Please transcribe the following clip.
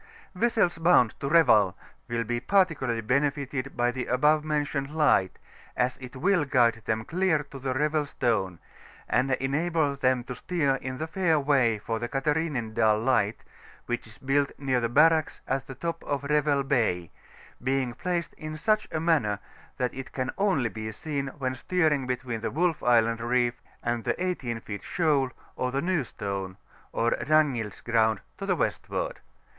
— Vessels bound to Revel will be particularly benefitted by the above mentioned light, as it will guide them clear of the Revel Stone, and enable them to steer in the fair way for the Catharinendal Light, which is built near the barracks at the top of Revel Bay, being placed in such a manner that it can only be seen when steering between the Wolf Island Reef and the 18 feet shoal, or the New Stone, or Ragnild*s Ground, to the westward.